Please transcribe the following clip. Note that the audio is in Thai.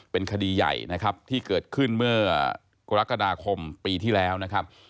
เป็นคดีใหญ่นะครับที่เกิดขึ้นเมื่อกรกฎาคมปีที่แล้วนะครับ